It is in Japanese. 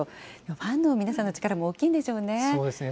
ファンの皆さんの力も大きいんでそうですね。